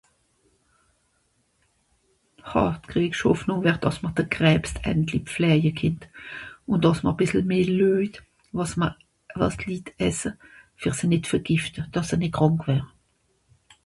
Hah... d'greescht Hoffnùng wär, dàss m'r de Krebbst endli pflëje kennt. Ùn dàss m'r bìssel meh lüejt, wàs ma... wàs d'Litt ësse, fer se nìt vergìfte, dàss se nìt krànk wère.